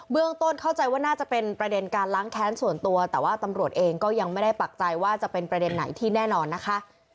ต้นเข้าใจว่าน่าจะเป็นประเด็นการล้างแค้นส่วนตัวแต่ว่าตำรวจเองก็ยังไม่ได้ปักใจว่าจะเป็นประเด็นไหนที่แน่นอนนะคะ